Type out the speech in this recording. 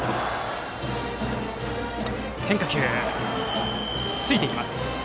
変化球、ついていきます。